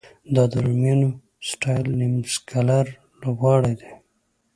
دا د رومیانو سټایل نیم سرکلر لوبغالی دی.